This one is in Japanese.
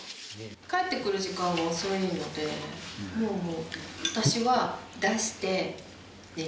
帰ってくる時間が遅いのでもう私は出して寝ちゃいます。